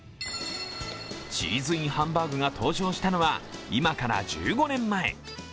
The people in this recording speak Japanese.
チーズＩＮハンバーグが登場したのは今から１５年前。